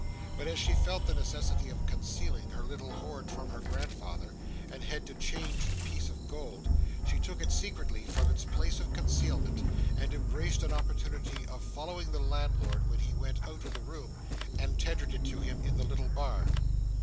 But as she felt the necessity of concealing her little hoard from her grandfather, and had to change the piece of gold, she took it secretly from its place of concealment, and embraced an opportunity of following the landlord when he went out of the room, and tendered it to him in the little bar.